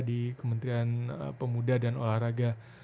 di kementerian pemuda dan olahraga